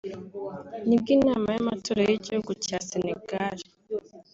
nibwo Inama y’amatora y’igihugu cya Senegali